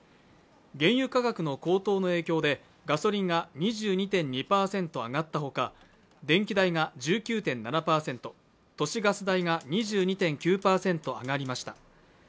原油価格の高騰の影響でガソリンが２２．２％上がったほか電気代が１９．７％、都市ガス代が２２．９％上がりました。